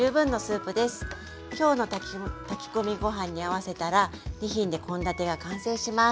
きょうの炊き込みご飯に合わせたら２品で献立が完成します。